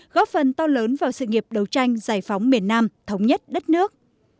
góp phần to lớn vào sự nghiệp đấu tranh giải phóng miền nam thống nhất đất nước